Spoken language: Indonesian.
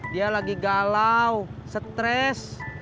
dia lagi galau stres